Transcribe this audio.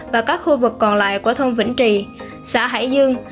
và các khu vực còn lại của thôn vĩnh trì xã hải dương